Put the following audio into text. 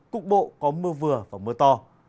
cục bộ có mưa vừa và mưa to